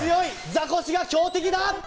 ザコシが強敵だ！